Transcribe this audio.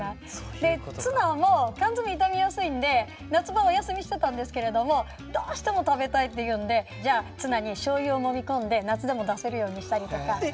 でツナも缶詰傷みやすいんで夏場お休みしてたんですけれどもどうしても食べたいっていうんでじゃあツナにしょうゆをもみ込んで夏でも出せるようにしたりとか。え！